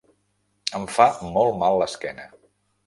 Em fa molt mal l'esquena.